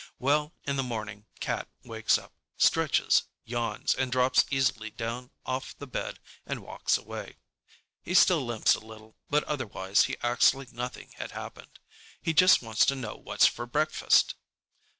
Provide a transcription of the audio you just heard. Well, in the morning Cat wakes up, stretches, yawns, and drops easily down off the bed and walks away. He still limps a little, but otherwise he acts like nothing had happened. He just wants to know what's for breakfast.